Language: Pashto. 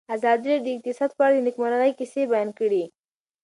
ازادي راډیو د اقتصاد په اړه د نېکمرغۍ کیسې بیان کړې.